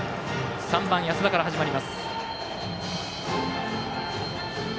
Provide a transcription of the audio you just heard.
３番、安田から始まります。